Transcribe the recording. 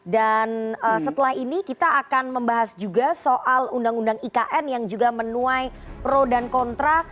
dan setelah ini kita akan membahas juga soal undang undang ikn yang juga menuai pro dan kontra